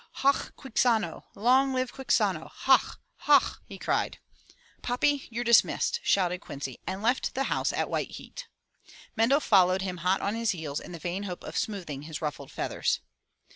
"/f(?cA Quixano! Long live Quixano! Hoch! Hoch!'' he cried. "Poppy, you're dismissed,'' shouted Quincy and left the house at white heat. Mendel followed him hot on his heels in the vain hope of smoothing his ruffled feathers.